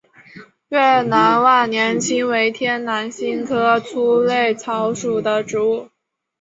越南万年青为天南星科粗肋草属的植物。